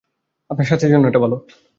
আপনার স্বাস্থ্যের জন্য এটা ভালো।